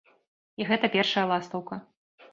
І гэта першая ластаўка.